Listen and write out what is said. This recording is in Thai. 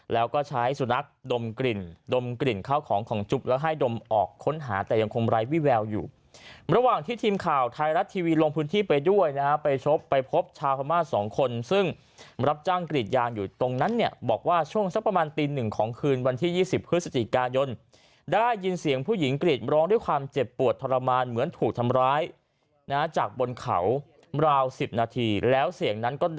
แต่ยังคงไร้วิแววอยู่ระหว่างที่ทีมข่าวไทยรัตน์ทีวีลงพื้นที่ไปด้วยนะไปชบไปพบชาวพมธ์สองคนซึ่งรับจ้างกรีดยางอยู่ตรงนั้นเนี่ยบอกว่าช่วงสักประมาณตี๑ของคืนวันที่๒๐พฤศจิกายนได้ยินเสียงผู้หญิงกรีดร้องด้วยความเจ็บปวดทรมานเหมือนถูกทำร้ายนะจากบนเขาราว๑๐นาทีแล้วเสียงนั้นก็ด